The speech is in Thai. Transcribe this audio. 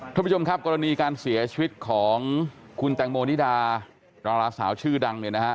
ท่านผู้ชมครับกรณีการเสียชีวิตของคุณแตงโมนิดาดาราสาวชื่อดังเนี่ยนะฮะ